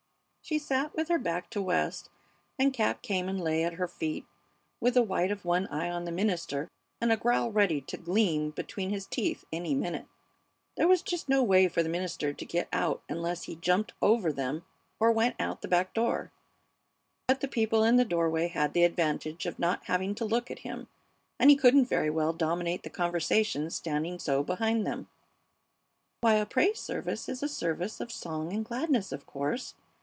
She sat with her back to West, and Cap came and lay at her feet with the white of one eye on the minister and a growl ready to gleam between his teeth any minute. There was just no way for the minister to get out unless he jumped over them or went out the back door; but the people in the doorway had the advantage of not having to look at him, and he couldn't very well dominate the conversation standing so behind them. "Why, a praise service is a service of song and gladness, of course.